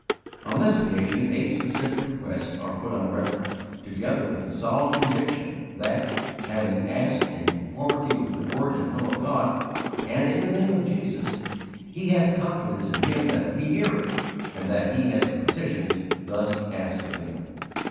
On this occasion eight specific requests are put on record, together with the solemn conviction that, having asked in conformity with the word and will of God, and in the name of Jesus, he has confidence in Him that He heareth and that he has the petitions thus asked of Him.